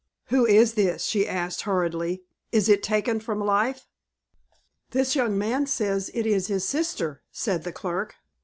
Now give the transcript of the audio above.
"Who is this?" she asked, hurriedly. "Is it taken from life?" "This young man says it is his sister," said the clerk.